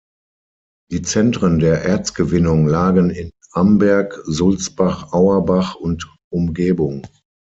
Die Zentren der Erzgewinnung lagen in Amberg, Sulzbach, Auerbach und Umgebung.